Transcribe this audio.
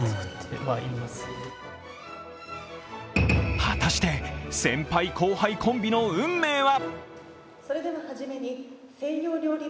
果たして先輩・後輩コンビの運命は？